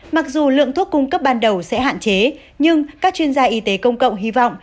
mặc dù lượng thuốc cung cấp ban đầu sẽ hạn chế nhưng các chuyên gia y tế công cộng hy vọng